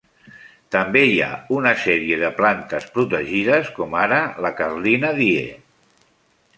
També hi ha una sèrie de plantes protegides, com ara la "Carlina diae".